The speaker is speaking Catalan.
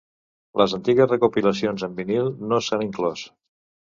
Les antigues recopilacions en vinil no s'han inclòs.